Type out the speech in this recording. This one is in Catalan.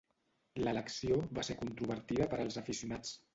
L'elecció va ser controvertida per als aficionats.